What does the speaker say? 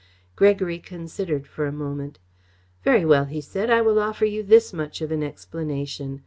Gregory considered for a moment. "Very well," he said, "I will offer you this much of an explanation.